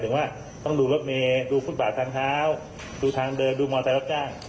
แต่ว่าต้องดูรถเมดูฝุดบาดทางเท้าดูทางเดินดูมอเตยรับจ้าง